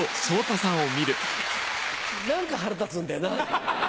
何か腹立つんだよな。